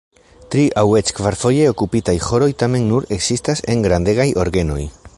Tri- aŭ eĉ kvarfoje okupitaj ĥoroj tamen nur ekzistas en grandegaj orgenoj.